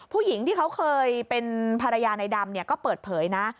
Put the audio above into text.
ผู้หญิงที่เขาเคยเป็นภรรยาในดำก็เปิดเผยนะ